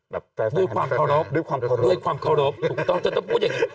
ด้วยความเคารพด้วยความเคารพถูกต้องจะต้องพูดอย่างนี้